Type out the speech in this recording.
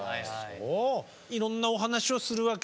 いろんなお話をするわけ？